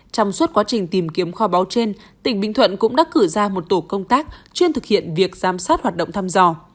trong suốt quá trình tìm kiếm kho báo trên tỉnh bình thuận cũng đã cử ra một tổ công tác chuyên thực hiện việc giám sát hoạt động thăm dò